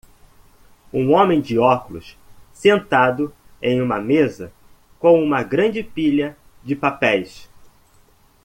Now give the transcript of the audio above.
Um homem de óculos sentado em uma mesa com uma grande pilha de papéis.